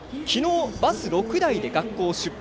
昨日、バス６台で学校を出発。